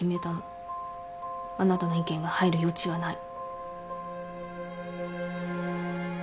あなたの意見が入る余地はない。